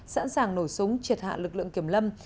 sẵn sàng nổ súng triệt hạ lực lượng kiểm lâm